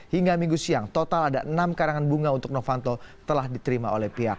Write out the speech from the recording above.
hingga minggu siang total ada enam karangan bunga untuk novanto telah diterima oleh pihak